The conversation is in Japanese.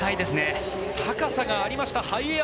高さがあります。